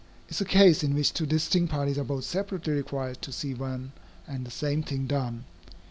It is a case in which two distinct parties are both separately required to see one and the same thing done.